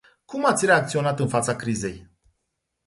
Cum ați reacționat în fața crizei?